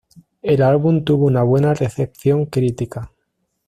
El álbum tuvo una buena recepción crítica.